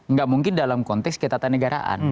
nggak mungkin dalam konteks ketatanegaraan